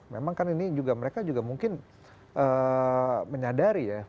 memang kan ini juga mereka juga mungkin menyadari ya